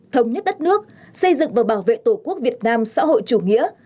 thống nhất đất nước xây dựng và bảo vệ tổ quốc việt nam xã hội chủ nghĩa